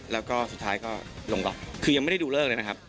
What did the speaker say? แล้วก็สุดท้ายก็ลงก๊อกคือยังไม่ได้ดูเลิกเลยนะครับ